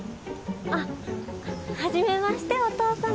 あっはじめましてお父様。